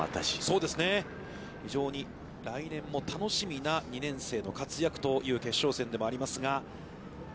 非常に来年も楽しみな２年生の活躍という決勝戦でもありますが。